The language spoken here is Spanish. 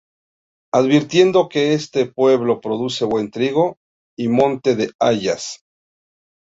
Advirtiendo que este pueblo produce buen trigo, y monte de hayas.